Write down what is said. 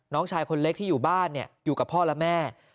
น้องชายคนเล็กที่อยู่บ้านอยู่กับพ่อและแม่